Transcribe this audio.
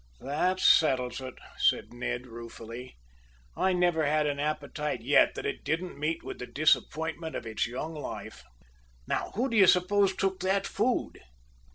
"That settles it," said Ned ruefully. "I never had an appetite yet that it didn't meet with the disappointment of it's young life. Now, who do you suppose took that food!"